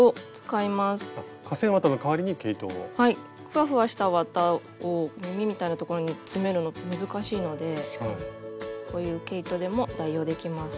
ふわふわした綿を耳みたいなところに詰めるの難しいのでこういう毛糸でも代用できます。